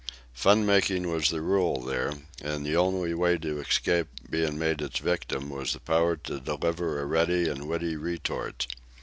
Fun making was the rule there, and the only way to escape being made its victim was the power to deliver a ready and witty retort.